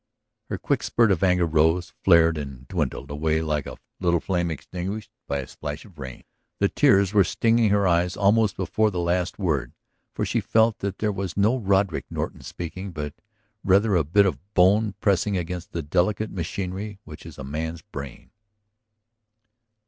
Her quick spurt of anger rose, flared, and dwindled away like a little flame extinguished by a splash of rain; the tears were stinging her eyes almost before the last word. For she felt that here was no Roderick Norton speaking, but rather a bit of bone pressing upon the delicate machinery which is a man's brain.